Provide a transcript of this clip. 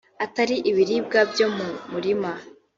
atari ibiribwa byo mu murima